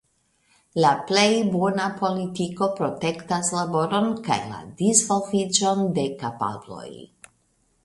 La plej bona politiko protektas laboron kaj la disvolviĝon de kapabloj.